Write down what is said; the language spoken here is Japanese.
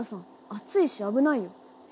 熱いし危ないよ。